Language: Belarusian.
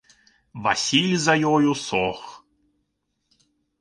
Васіль за ёю сох.